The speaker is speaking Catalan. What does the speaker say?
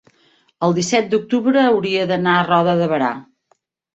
el disset d'octubre hauria d'anar a Roda de Berà.